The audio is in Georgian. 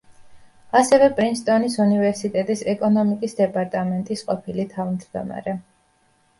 ასევე პრინსტონის უნივერსიტეტის ეკონომიკის დეპარტამენტის ყოფილი თავმჯდომარე.